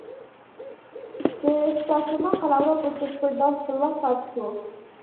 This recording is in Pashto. د ساتسوما قلمرو په بشپړ ډول خپلواک پاتې شو.